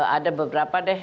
ada beberapa deh